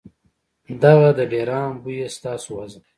دغه د ډېران بوئي ستاسو وزن ،